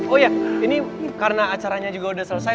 oh ya ini karena acaranya juga udah selesai